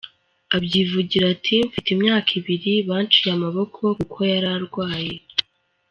Abyivugira ati ”Mfite imyaka ibiri, banciye amaboko kuko yari arwaye”.